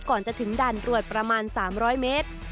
ก่อนจะถึงด้านรวดประมาณสามร้อยเมตร